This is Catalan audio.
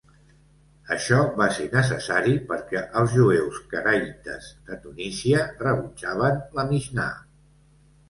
Això va ser necessari perquè els jueus caraïtes de Tunísia rebutjaven la Mixnà.